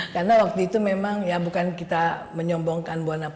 karena waktu itu memang ya bukan kita menyombongkan ya